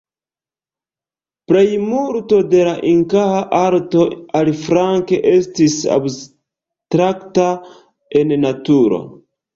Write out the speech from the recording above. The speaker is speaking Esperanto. Plej multe de la inkaa arto, aliflanke, estis abstrakta en naturo.